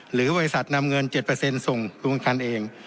หรือบริษัทนำเงินเจ็ดเปอร์เซ็นต์ส่งส่วนการคันเอง